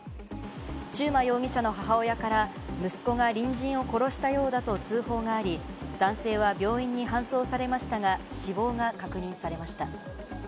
中馬容疑者の母親から息子が隣人を殺したようだと通報があり、男性は病院に搬送されましたが、死亡が確認されました。